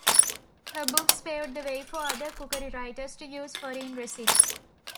Her books paved the way for other cookery writers to use foreign recipes.